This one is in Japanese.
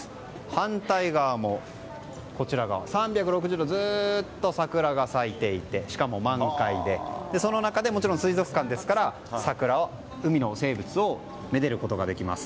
反対側も、３６０度ずっとずっと桜が咲いていてしかも、満開でその中で、水族館ですから海の生物をめでることができます。